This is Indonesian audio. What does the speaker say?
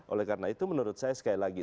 oleh karena itu menurut saya sekali lagi